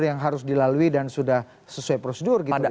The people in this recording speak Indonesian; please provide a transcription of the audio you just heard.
yang harus dilalui dan sudah sesuai prosedur gitu